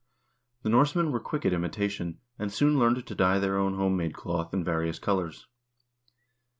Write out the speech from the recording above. * The Norse men were quick at imitation, and soon learned to dye their own home made cloth in various colors.